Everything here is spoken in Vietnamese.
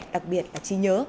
đặc biệt là trí nhớ